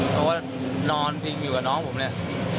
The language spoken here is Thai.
ก็ว่านอนบิ่งอยู่กับน้องผมแระ